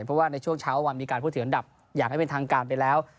เพราะว่าในช่วงเช้าวันมีการพูดถึงอันดับอย่างไม่เป็นทางการไปแล้ว